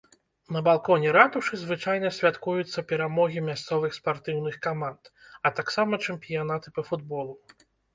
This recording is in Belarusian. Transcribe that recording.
На балконе ратушы звычайна святкуюцца перамогі мясцовых спартыўных каманд, а таксама чэмпіянаты па футболу.